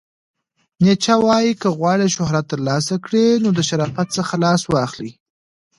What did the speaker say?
نیچه وایې، که غواړئ شهرت ترلاسه کړئ نو د شرافت څخه لاس واخلئ!